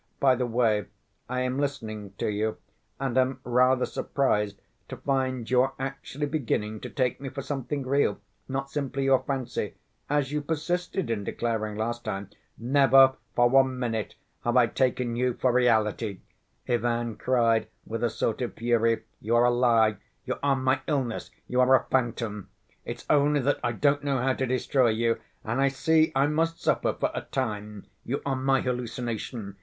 By the way, I am listening to you and am rather surprised to find you are actually beginning to take me for something real, not simply your fancy, as you persisted in declaring last time—" "Never for one minute have I taken you for reality," Ivan cried with a sort of fury. "You are a lie, you are my illness, you are a phantom. It's only that I don't know how to destroy you and I see I must suffer for a time. You are my hallucination.